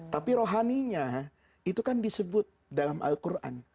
tapi rohaninya itu kan disebut dalam al quran